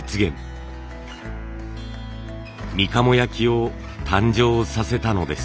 みかも焼を誕生させたのです。